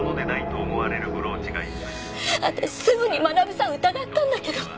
私すぐに学さん疑ったんだけど。